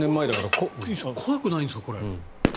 怖くないんですかこれ？